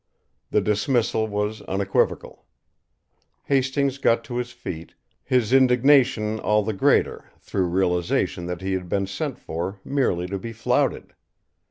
The dismissal was unequivocal. Hastings got to his feet, his indignation all the greater through realization that he had been sent for merely to be flouted.